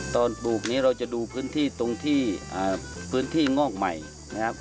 ปลูกนี้เราจะดูพื้นที่ตรงที่พื้นที่งอกใหม่นะครับ